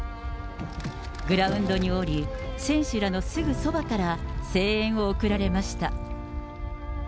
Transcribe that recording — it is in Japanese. グラウンドに下り、選手らのすぐそばから声援を送られました。